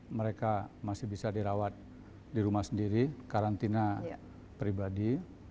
mereka masih bisa dirawat di rumah sendiri karantina pribadi